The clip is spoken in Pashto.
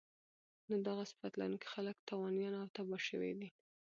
نو دغه صفت لرونکی خلک تاوانيان او تباه شوي دي